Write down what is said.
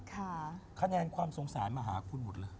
คะแนนความสงสารมาหาคุณหมดเลย